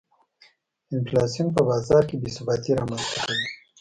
انفلاسیون په بازار کې بې ثباتي رامنځته کوي.